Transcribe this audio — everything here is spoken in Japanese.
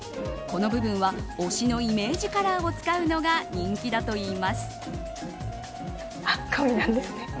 この部分は推しのイメージカラーを使うのが人気だといいます。